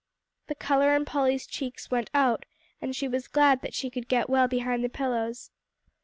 The color in Polly's cheeks went out, and she was glad that she could get well behind the pillows.